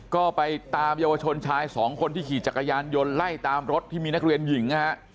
ก็ไปตามเยาวชนชายสองคนที่ขี่จักรยานยนต์ไล่ตามรถที่มีนักเรียนหญิงนะฮะ